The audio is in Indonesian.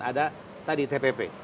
ada tadi tpp